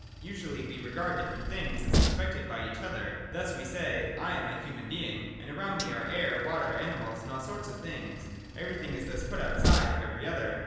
Usually we regard different things as unaffected by each other. Thus we say : I am a human being, and around me are air, water, animals, and all sorts of things. Everything is thus put outside of every other.